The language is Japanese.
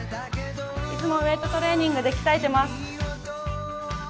いつもウエートトレーニングで鍛えています。